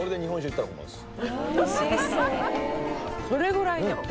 それぐらいね